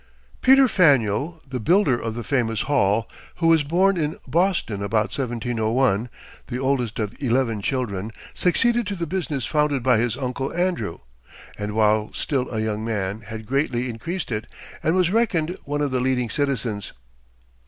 Peter Faneuil, the builder of the famous Hall, who was born in Boston about 1701, the oldest of eleven children, succeeded to the business founded by his uncle Andrew, and while still a young man had greatly increased it, and was reckoned one of the leading citizens.